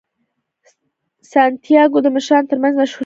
سانتیاګو د مشرانو ترمنځ مشهور کیږي.